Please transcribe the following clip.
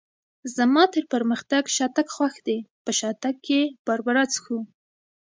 زما تر پرمختګ شاتګ خوښ دی، په شاتګ کې باربرا څښو.